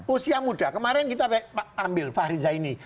usia muda kemarin kita ambil fahriza ini